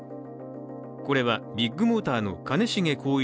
これはビッグモーターの兼重宏一